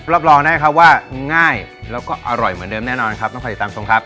รับรองได้ครับว่าง่ายแล้วก็อร่อยเหมือนเดิมแน่นอนครับต้องคอยติดตามชมครับ